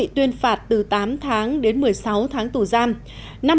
tuyên phạt từ tám tháng đến một mươi sáu tháng tù giam